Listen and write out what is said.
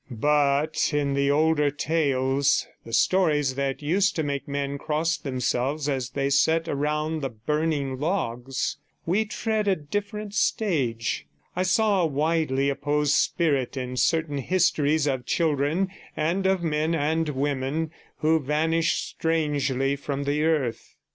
But in the older tales, the stories that used to make men cross themselves as they sat around the burning logs, we tread a different stage; I saw a widely opposed spirit in certain histories of children and of men and women who vanished strangely from the earth.